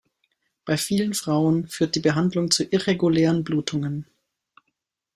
Bei vielen Frauen führt die Behandlung zu irregulären Blutungen.